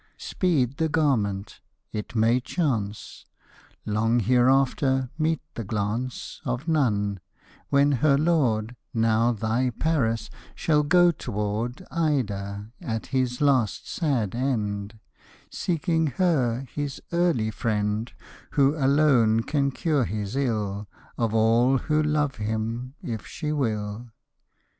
Speed the garment! It may chance. Long hereafter, meet the glance Of none; when her lord, Now thy Paris, shall go t'ward Ida, at his last sad end, Seeking her, his early friend, Who alone can cure his ill Of all who love him, if she will.